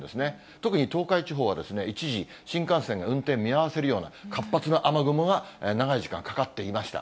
特に東海地方は、一時、新幹線が運転見合わせるような、活発な雨雲が長い時間かかっていました。